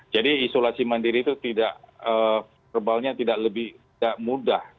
jadi isolasi mendiri itu tidak rebalnya tidak lebih mudah